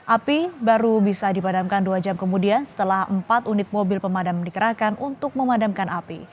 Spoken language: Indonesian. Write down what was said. api baru bisa dipadamkan dua jam kemudian setelah empat unit mobil pemadam dikerahkan untuk memadamkan api